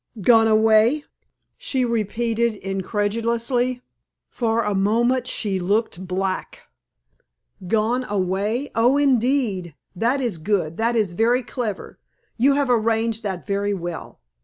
"Gone away!" she repeated, incredulously. For a moment she looked black. "Gone away! Oh, indeed! That is good; that is very clever! You have arranged that very well.